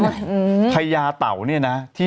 ดื่มน้ำก่อนสักนิดใช่ไหมคะคุณพี่